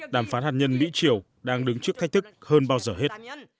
đàm phán hạt nhân mỹ triều đang đứng trước thách thức hơn bao giờ hết